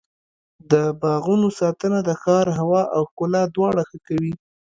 د باغونو ساتنه د ښار هوا او ښکلا دواړه ښه کوي.